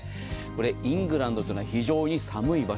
イングランドというのは非常に寒い場所。